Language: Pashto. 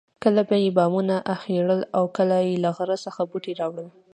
کله به یې بامونه اخیړول او کله له غره څخه بوټي راوړل.